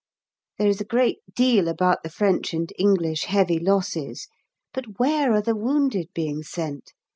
There is a great deal about the French and English heavy losses, but where are the wounded being sent?